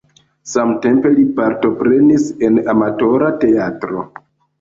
Samtempe li partoprenis en amatora teatro.